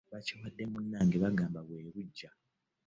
Bakiwadde munnange bagamba bwe buggya.